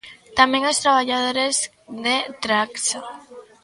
Tamén os traballadores de Tragsa.